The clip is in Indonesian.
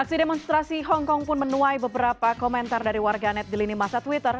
aksi demonstrasi hongkong pun menuai beberapa komentar dari warganet di lini masa twitter